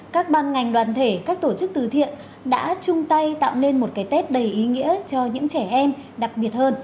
các ban ngành đoàn thể các tổ chức từ thiện đã chung tay tạo nên một cái tết đầy ý nghĩa cho những trẻ em đặc biệt hơn